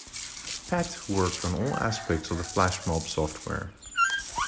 Pat worked on all aspects of the FlashMob software.